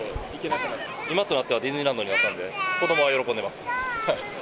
今となってはディズニーランドになったんで、子どもは喜んでます。